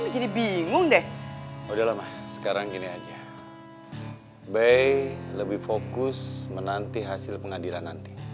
jadi bingung deh udah lama sekarang gini aja baik lebih fokus menanti hasil pengadilan nanti